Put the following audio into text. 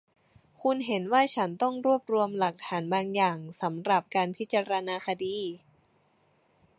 คุณเห็นว่าฉันต้องรวบรวมหลักฐานบางอย่างสำหรับการพิจารณาคดี